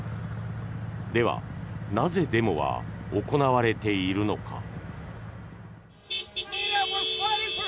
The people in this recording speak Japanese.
ではなぜデモは行われているのか。